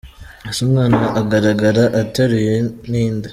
Ese umwana agaragara ateruye ni inde?